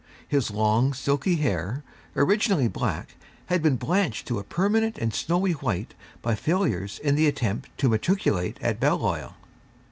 His long silky hair, originally black, had been blanched to a permanent and snowy white by failures in the attempt to matriculate at Balliol.